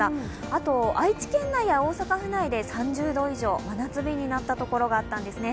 あと、愛知県内や大阪府内で３０度以上真夏日になった所があったんですね。